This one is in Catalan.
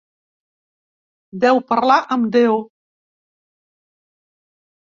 Deu parlar amb Déu.